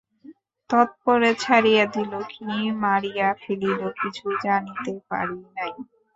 তৎপরে ছাড়িয়া দিল কি মারিয়া ফেলিল কিছুই জানিতে পারি নাই।